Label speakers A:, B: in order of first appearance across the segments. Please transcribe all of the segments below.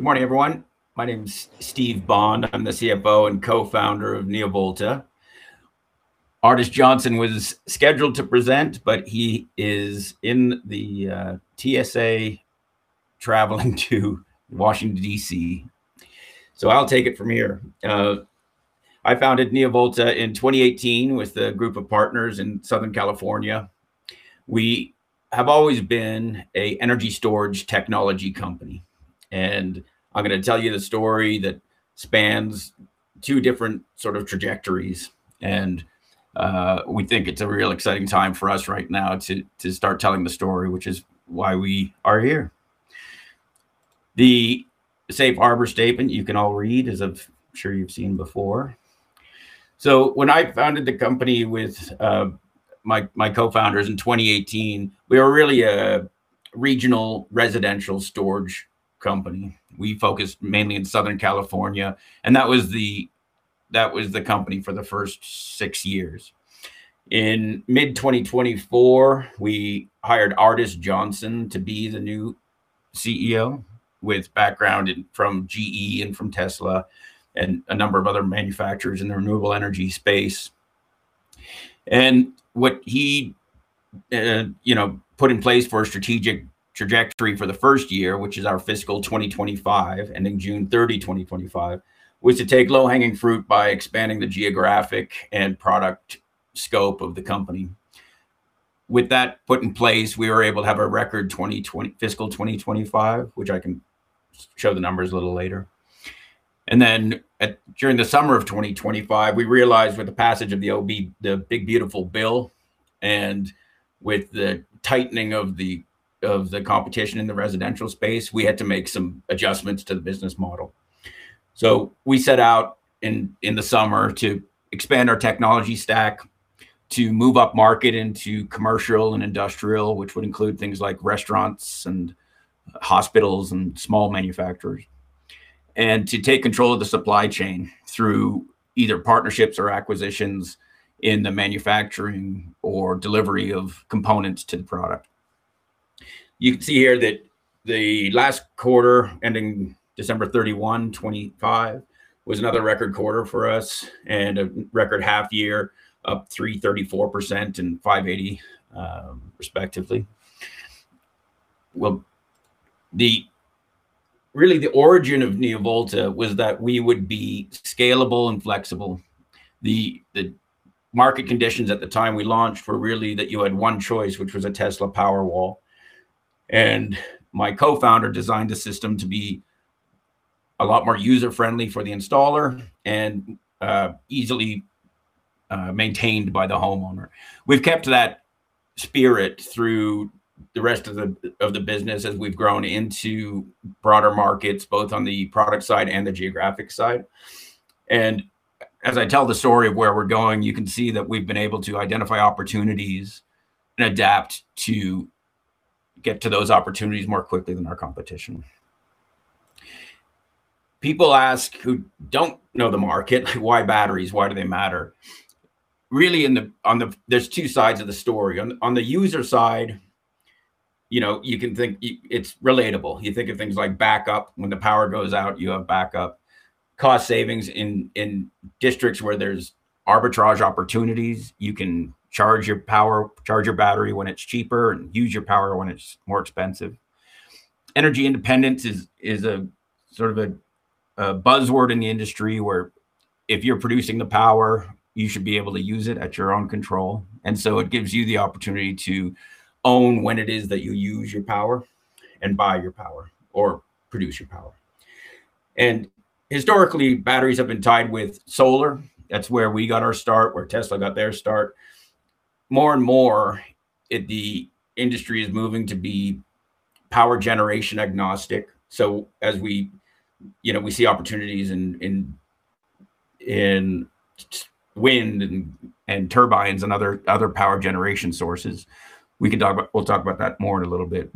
A: Good morning, everyone. My name is Steve Bond. I'm the CFO and co-founder of NeoVolta. Ardes Johnson was scheduled to present, but he is in the TSA traveling to Washington, D.C., so I'll take it from here. I founded NeoVolta in 2018 with a group of partners in Southern California. We have always been an energy storage technology company, and I'm gonna tell you the story that spans two different sort of trajectories. We think it's a real exciting time for us right now to start telling the story, which is why we are here. The safe harbor statement you can all read, as I'm sure you've seen before. When I founded the company with my co-founders in 2018, we were really a regional residential storage company. We focused mainly in Southern California, and that was the company for the first six years. In mid-2024, we hired Ardes Johnson to be the new CEO, with background from GE and from Tesla and a number of other manufacturers in the renewable energy space. What he, you know, put in place for a strategic trajectory for the first year, which is our fiscal 2025, ending June 30, 2025, was to take low-hanging fruit by expanding the geographic and product scope of the company. With that put in place, we were able to have a record fiscal 2025, which I can show the numbers a little later. During the summer of 2025, we realized with the passage of the OB, the big beautiful bill, and with the tightening of the competition in the residential space, we had to make some adjustments to the business model. We set out in the summer to expand our technology stack to move upmarket into commercial and industrial, which would include things like restaurants and hospitals and small manufacturers. To take control of the supply chain through either partnerships or acquisitions in the manufacturing or delivery of components to the product. You can see here that the last quarter, ending December 31, 2025, was another record quarter for us and a record half year, up 334% and 580%, respectively. Really the origin of NeoVolta was that we would be scalable and flexible. The market conditions at the time we launched were really that you had one choice, which was a Tesla Powerwall. My co-founder designed the system to be a lot more user-friendly for the installer and easily maintained by the homeowner. We've kept that spirit through the rest of the business as we've grown into broader markets, both on the product side and the geographic side. As I tell the story of where we're going, you can see that we've been able to identify opportunities and adapt to get to those opportunities more quickly than our competition. People who don't know the market ask, "Why batteries? Why do they matter?" Really, there's two sides of the story. On the user side, you know, you can think it's relatable. You think of things like backup. When the power goes out, you have backup. Cost savings in districts where there's arbitrage opportunities. You can charge your power, charge your battery when it's cheaper and use your power when it's more expensive. Energy independence is a sort of a buzzword in the industry, where if you're producing the power, you should be able to use it at your own control. It gives you the opportunity to own when it is that you use your power and buy your power or produce your power. Historically, batteries have been tied with solar. That's where we got our start, where Tesla got their start. More and more, the industry is moving to be power generation agnostic. As we, you know, we see opportunities in wind and turbines and other power generation sources. We can talk about, we'll talk about that more in a little bit.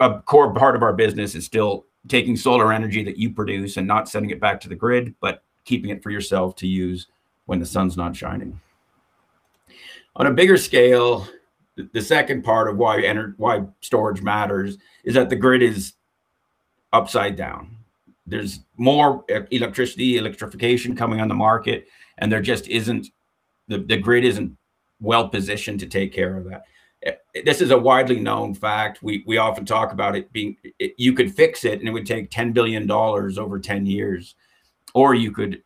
A: A core part of our business is still taking solar energy that you produce and not sending it back to the grid, but keeping it for yourself to use when the sun's not shining. On a bigger scale, the second part of why storage matters is that the grid is upside down. There's more electrification coming on the market, and there just isn't. The grid isn't well positioned to take care of that. This is a widely known fact. We often talk about it. You could fix it, and it would take $10 billion over 10 years. Or you could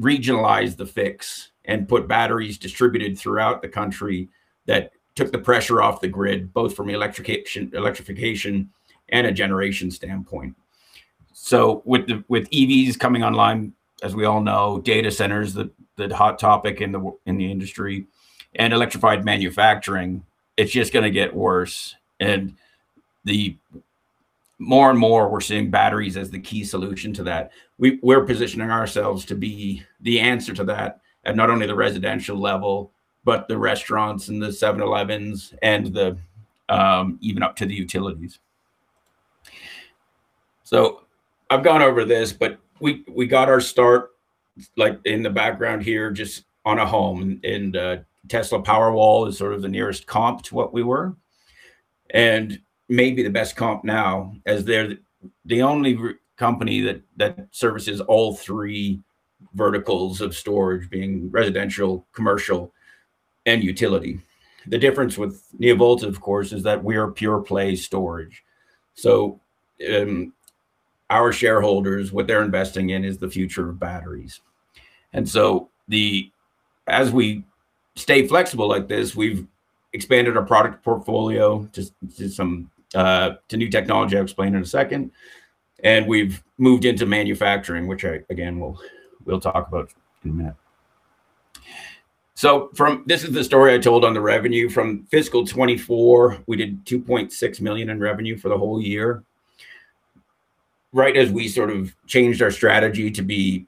A: regionalize the fix and put batteries distributed throughout the country that took the pressure off the grid, both from electrification and a generation standpoint. With EVs coming online, as we all know, data centers, the hot topic in the industry, and electrified manufacturing, it's just gonna get worse. More and more, we're seeing batteries as the key solution to that. We're positioning ourselves to be the answer to that at not only the residential level, but the restaurants and the 7-Elevens and even up to the utilities. I've gone over this, but we got our start. Like in the background here, just on a home, and Tesla Powerwall is sort of the nearest comp to what we were. Maybe the best comp now, as they're the only real company that services all three verticals of storage, being residential, commercial, and utility. The difference with NeoVolta, of course, is that we are pure play storage. Our shareholders, what they're investing in is the future of batteries. As we stay flexible like this, we've expanded our product portfolio to some new technology I'll explain in a second. We've moved into manufacturing, which we'll talk about in a minute. This is the story I told on the revenue. From fiscal 2024, we did $2.6 million in revenue for the whole year. Right as we sort of changed our strategy to be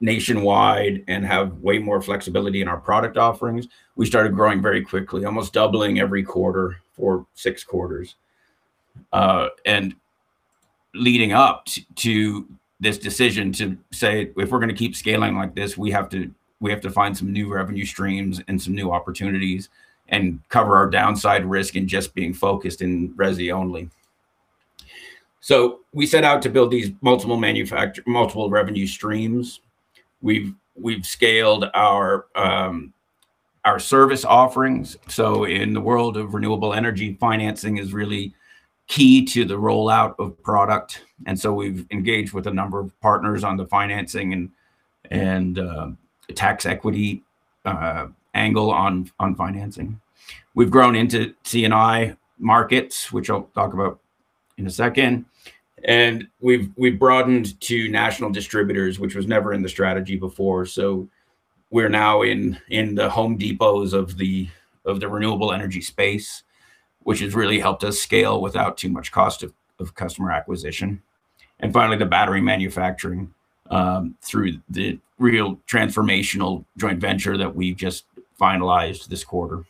A: nationwide and have way more flexibility in our product offerings, we started growing very quickly, almost doubling every quarter for six quarters. Leading up to this decision to say, "If we're gonna keep scaling like this, we have to find some new revenue streams and some new opportunities and cover our downside risk in just being focused in resi only." We set out to build these multiple revenue streams. We've scaled our service offerings. In the world of renewable energy, financing is really key to the rollout of product. We've engaged with a number of partners on the financing and the tax equity angle on financing. We've grown into C&I markets, which I'll talk about in a second. We've broadened to national distributors, which was never in the strategy before. We're now in the Home Depot's of the renewable energy space, which has really helped us scale without too much cost of customer acquisition. Finally, the battery manufacturing through the real transformational joint venture that we just finalized this quarter.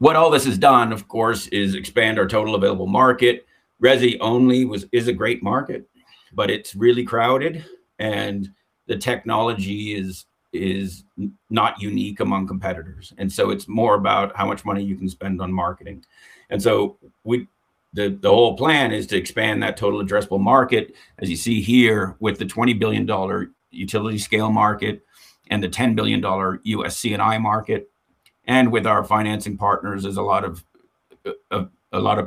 A: What all this has done, of course, is expand our total available market. Resi only is a great market, but it's really crowded and the technology is not unique among competitors. It's more about how much money you can spend on marketing. The whole plan is to expand that total addressable market, as you see here, with the $20 billion utility scale market and the $10 billion U.S. C&I market. With our financing partners, there's a lot of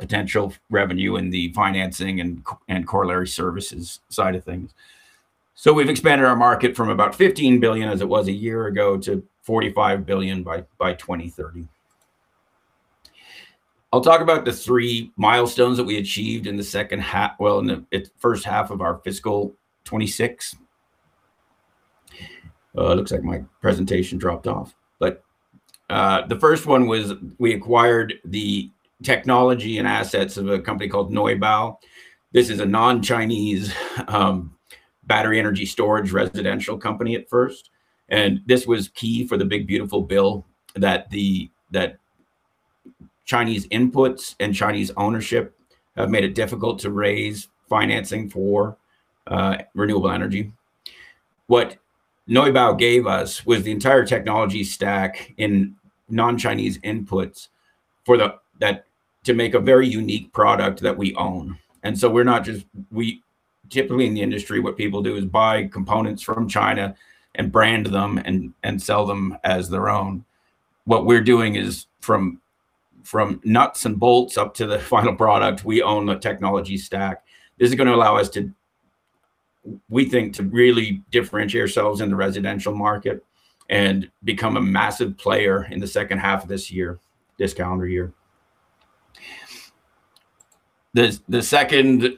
A: potential revenue in the financing and corollary services side of things. We've expanded our market from about $15 billion as it was a year ago, to $45 billion by 2030. I'll talk about the three milestones that we achieved in the first half of our fiscal 2026. Looks like my presentation dropped off. The first one was we acquired the technology and assets of a company called Neubau. This is a non-Chinese battery energy storage residential company at first. This was key for the Build Back Better bill that Chinese inputs and Chinese ownership made it difficult to raise financing for renewable energy. What Neubau gave us was the entire technology stack in non-Chinese inputs to make a very unique product that we own. Typically in the industry, what people do is buy components from China and brand them and sell them as their own. What we're doing is from nuts and bolts up to the final product, we own the technology stack. This is gonna allow us to, we think, to really differentiate ourselves in the residential market and become a massive player in the second half of this year, this calendar year. The second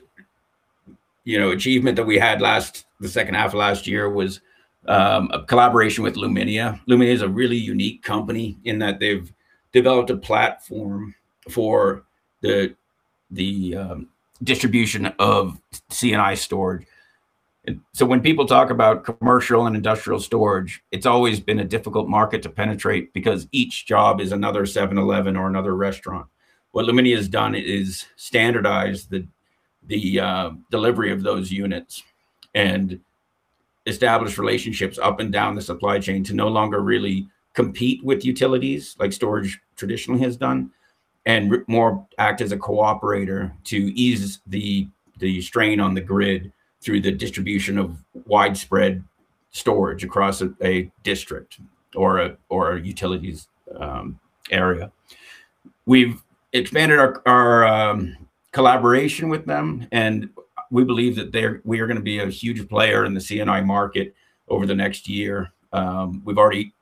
A: achievement that we had last, the second half of last year was a collaboration with Luminia. Luminia is a really unique company in that they've developed a platform for the distribution of C&I storage. When people talk about commercial and industrial storage, it's always been a difficult market to penetrate because each job is another 7-Eleven or another restaurant. What Luminia has done is standardize the delivery of those units and establish relationships up and down the supply chain to no longer really compete with utilities like storage traditionally has done, and rather act as a cooperator to ease the strain on the grid through the distribution of widespread storage across a district or a utility's area. We've expanded our collaboration with them and we believe that we are gonna be a huge player in the C&I market over the next year. We've already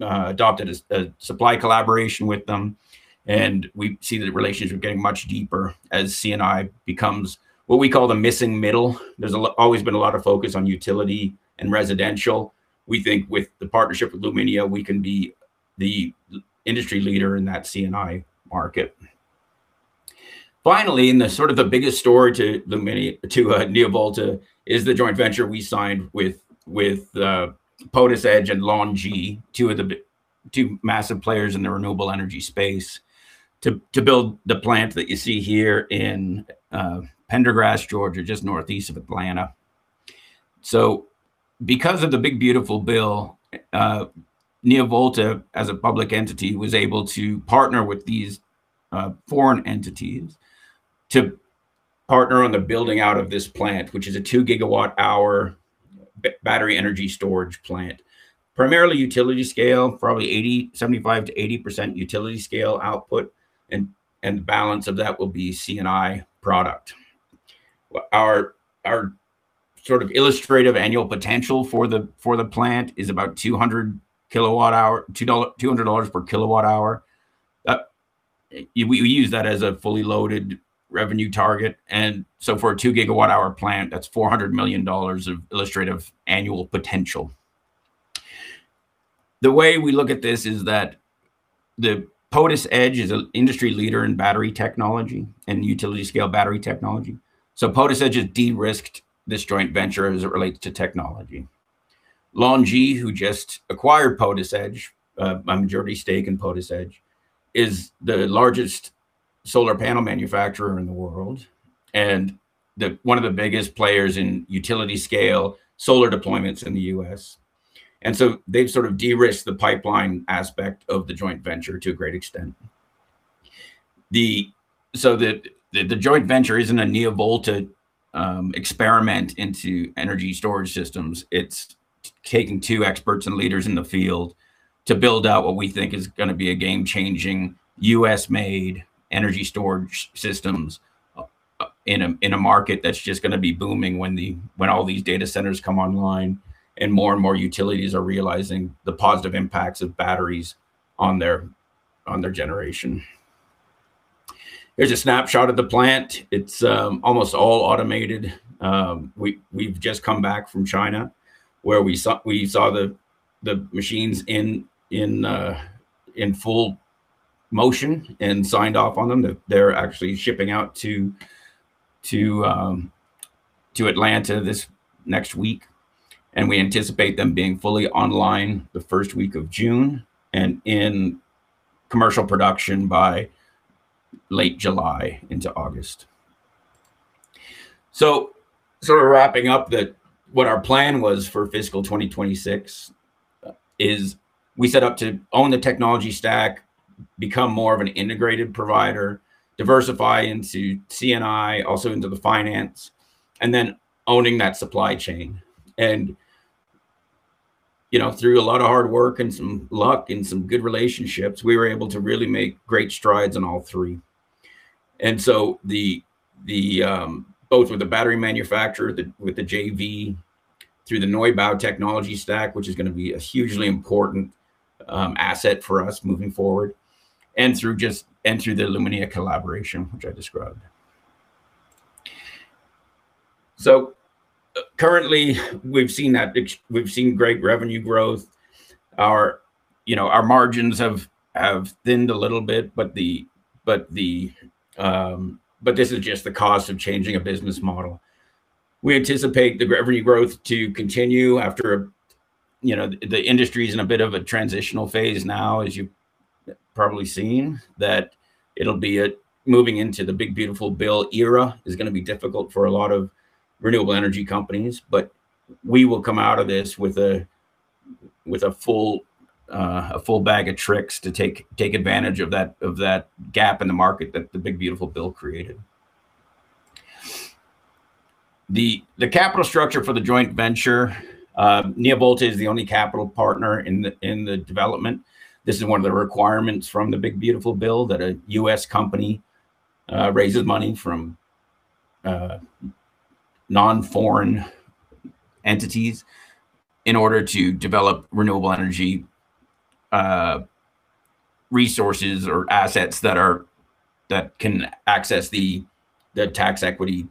A: adopted a supply collaboration with them, and we see the relationship getting much deeper as C&I becomes what we call the missing middle. There's always been a lot of focus on utility and residential. We think with the partnership with Luminia, we can be the industry leader in that C&I market. Finally, the sort of biggest story to Luminia to NeoVolta is the joint venture we signed with PotisEdge and LONGi, two massive players in the renewable energy space to build the plant that you see here in Pendergrass, Georgia, just northeast of Atlanta. Because of the Big Beautiful Bill, NeoVolta as a public entity was able to partner with these foreign entities to partner on the building out of this plant, which is a 2 GWh battery energy storage plant. Primarily utility scale, probably 75%-80% utility scale output and the balance of that will be C&I product. Our sort of illustrative annual potential for the plant is about $200 per kWh. We use that as a fully loaded revenue target and so for a 2 GWh plant, that's $400 million of illustrative annual potential. The way we look at this is that PotisEdge is an industry leader in battery technology and utility scale battery technology, so PotisEdge has de-risked this joint venture as it relates to technology. LONGi, who just acquired a majority stake in PotisEdge, is the largest solar panel manufacturer in the world and one of the biggest players in utility scale solar deployments in the U.S. They've sort of de-risked the pipeline aspect of the joint venture to a great extent. The The joint venture isn't a NeoVolta experiment into energy storage systems. It's taking two experts and leaders in the field to build out what we think is gonna be a game-changing U.S.-made energy storage systems in a market that's just gonna be booming when all these data centers come online and more and more utilities are realizing the positive impacts of batteries on their generation. Here's a snapshot of the plant. It's almost all automated. We've just come back from China where we saw the machines in full motion and signed off on them. They're actually shipping out to Atlanta this next week, and we anticipate them being fully online the first week of June and in commercial production by late July into August. Wrapping up that what our plan was for fiscal 2026 is we set out to own the technology stack, become more of an integrated provider, diversify into C&I, also into the finance, and then owning that supply chain. You know, through a lot of hard work and some luck and some good relationships, we were able to really make great strides on all three. Both with the battery manufacturer, with the JV, through the Neubau technology stack, which is gonna be a hugely important asset for us moving forward, and through the Luminia collaboration, which I described. Currently we've seen great revenue growth. You know, our margins have thinned a little bit, but this is just the cost of changing a business model. We anticipate the revenue growth to continue after you know the industry's in a bit of a transitional phase now, as you've probably seen. Moving into the Build Back Better era is gonna be difficult for a lot of renewable energy companies. We will come out of this with a full bag of tricks to take advantage of that gap in the market that the Build Back Better created. The capital structure for the joint venture, NeoVolta is the only capital partner in the development. This is one of the requirements from the Big Beautiful Bill that a U.S. company raises money from non-foreign entities in order to develop renewable energy resources or assets that can access the tax equity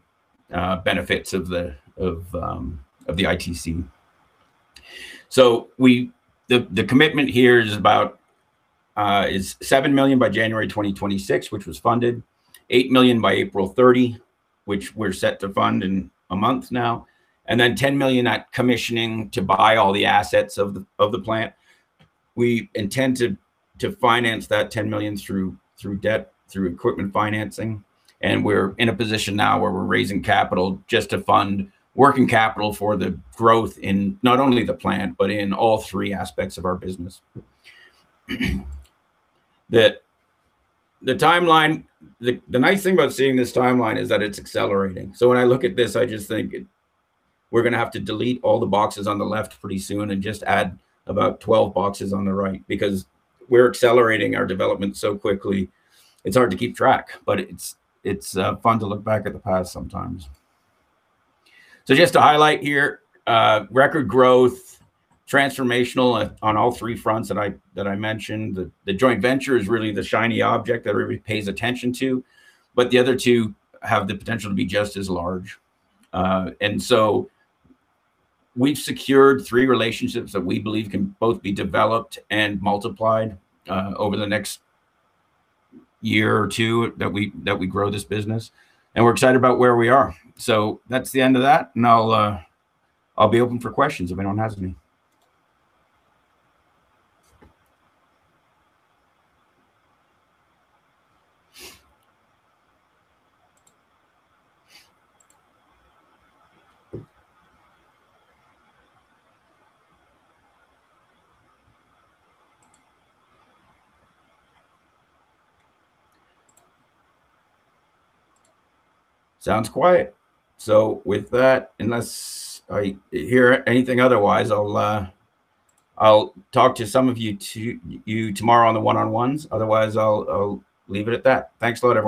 A: benefits of the ITC. The commitment here is about $7 million by January 2026, which was funded $8 million by April 30, which we're set to fund in a month now, and then $10 million at commissioning to buy all the assets of the plant. We intend to finance that $10 million through debt, through equipment financing, and we're in a position now where we're raising capital just to fund working capital for the growth in not only the plant but in all three aspects of our business. The nice thing about seeing this timeline is that it's accelerating. When I look at this, I just think we're gonna have to delete all the boxes on the left pretty soon and just add about 12 boxes on the right because we're accelerating our development so quickly it's hard to keep track. It's fun to look back at the past sometimes. Just to highlight here, record growth, transformational on all three fronts that I mentioned. The joint venture is really the shiny object that everybody pays attention to, but the other two have the potential to be just as large. We've secured three relationships that we believe can both be developed and multiplied over the next year or two that we grow this business, and we're excited about where we are. That's the end of that, and I'll be open for questions if anyone has any. Sounds quiet. With that, unless I hear anything otherwise, I'll talk to some of you to you tomorrow on the one-on-ones. Otherwise, I'll leave it at that. Thanks a lot, everyone.